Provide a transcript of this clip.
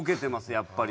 やっぱり。